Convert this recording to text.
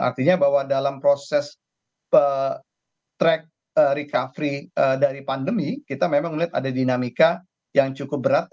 artinya bahwa dalam proses track recovery dari pandemi kita memang melihat ada dinamika yang cukup berat